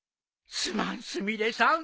すまんすみれさん。